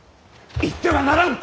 行ってはならん！